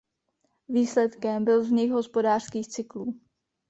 Výsledkem byl vznik hospodářských cyklů.